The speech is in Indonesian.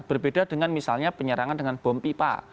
berbeda dengan misalnya penyerangan dengan bom pipa